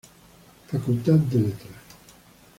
Facultad de Letras.